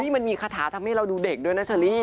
นี่มันมีคาถาทำให้เราดูเด็กด้วยนะเชอรี่